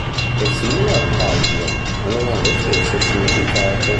È simile al pallio, ma non ha lo stesso significato.